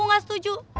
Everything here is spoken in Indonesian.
aku gak setuju